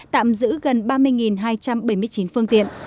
tạm giữ gần ba mươi hai trăm năm mươi năm